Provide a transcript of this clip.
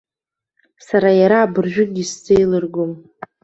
Сара иара абыржәыгь исзеилыргом.